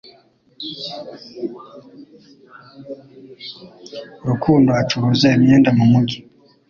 rukundo acuruza imyenda mu mugi